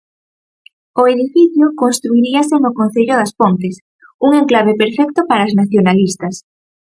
O edificio construiríase no concello das Pontes, un "enclave perfecto" para as nacionalistas.